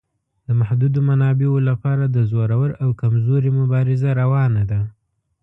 د محدودو منابعو لپاره د زورور او کمزوري مبارزه روانه ده.